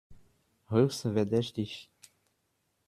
Höchst verdächtig!